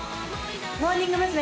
モーニング娘。